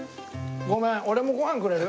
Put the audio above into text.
ごめん俺もご飯くれる？